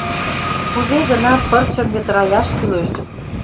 Кузе-гынат пырчым йытыраяш кӱлеш.